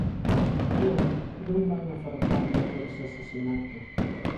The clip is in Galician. Non, non van aforcarme por ese asasinato.